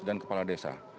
dan kepala desa